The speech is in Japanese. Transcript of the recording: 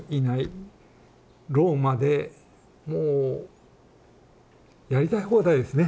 ローマでもうやりたい放題ですね